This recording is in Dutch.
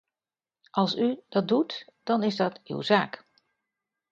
Als u dat doet, dan is dat uw zaak.